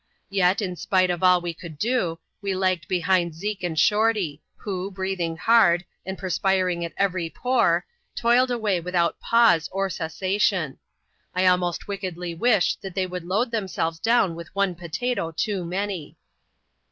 Yet, in spite of all we could do, we lagged behind Zeke and Shorty, who, breathing hard, and perspiring at every pore, toiled away without pause or cessation. I almost wickedly wished that they would load themselves down with one potato too many.